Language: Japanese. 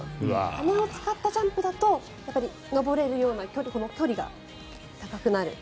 羽を使ったジャンプだとやっぱり上れるような距離が高くなる。